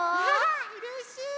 うれしい！